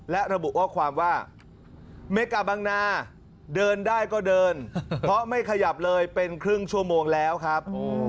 และระบุข้อความว่าเมกาบังนาเดินได้ก็เดินเพราะไม่ขยับเลยเป็นครึ่งชั่วโมงแล้วครับ